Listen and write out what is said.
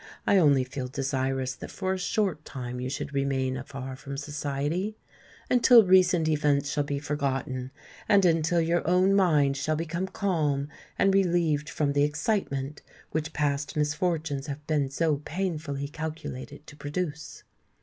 I only feel desirous that for a short time you should remain afar from society—until recent events shall be forgotten, and until your own mind shall become calm and relieved from the excitement which past misfortunes have been so painfully calculated to produce."